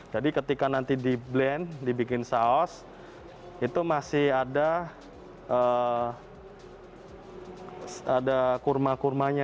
jadi ketika nanti di blend dibikin saus itu masih ada kurma kurmanya